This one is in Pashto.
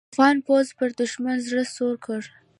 افغان پوځ پر دوښمن زړه سوړ کړ.